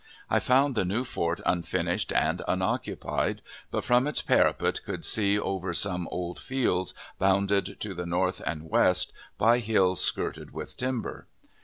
I found the new fort unfinished and unoccupied, but from its parapet could see over some old fields bounded to the north and west by hills skirted with timber.